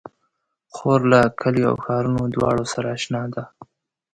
خور له کليو او ښارونو دواړو سره اشنا ده.